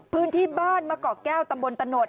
พื้นที่บ้านมะเกาะแก้วตำบลตะโนด